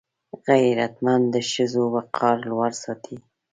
غیرتمند د ښځو وقار لوړ ساتي